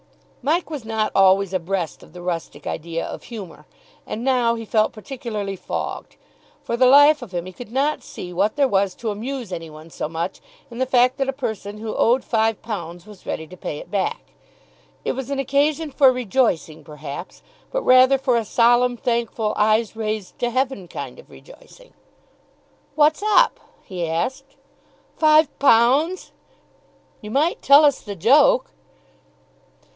Mike was not always abreast of the rustic idea of humour, and now he felt particularly fogged. For the life of him he could not see what there was to amuse any one so much in the fact that a person who owed five pounds was ready to pay it back. It was an occasion for rejoicing, perhaps, but rather for a solemn, thankful, eyes raised to heaven kind of rejoicing. "What's up?" he asked. "Five pounds!" "You might tell us the joke."